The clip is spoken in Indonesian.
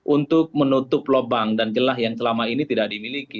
untuk menutup lubang dan celah yang selama ini tidak dimiliki